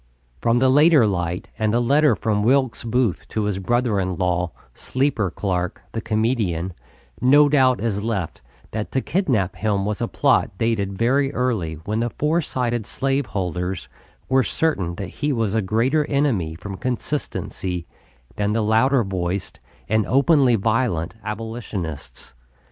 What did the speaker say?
From the later light and the letter from Wilkes Booth to his brother in law, Sleeper Clarke, the comedian, no doubt is left that to kidnap him was a plot dated very early when the foresighted slave holders were certain that he was a greater enemy from consistency than the louder voiced and openly violent Abolitionists.